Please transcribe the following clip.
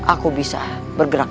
aku bisa bergerak